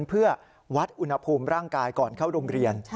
เพื่อวัดอุณหภูมิร่างกายก่อนเข้าโรงเรียน